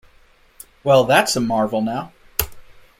Well, that’s a marvel, now!